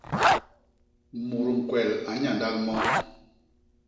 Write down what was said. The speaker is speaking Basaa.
Mut ñkwel a nnyandal moo.